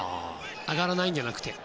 上がらないんじゃなくて。